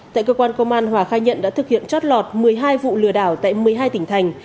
tại cơ quan công an hòa khai nhận đã thực hiện chót lọt một mươi hai vụ lừa đảo tại một mươi hai tỉnh thành